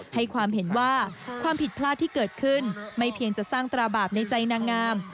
ให้ความเห็นว่าความผิดพลาดที่เกิดขึ้นไม่เพียงจะสร้างตราบาปในใจนางงาม